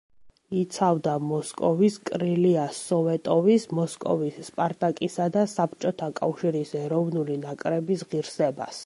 იცავდა მოსკოვის „კრილია სოვეტოვის“, მოსკოვის „სპარტაკისა“ და საბჭოთა კავშირის ეროვნული ნაკრების ღირსებას.